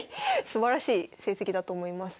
すばらしい成績だと思います。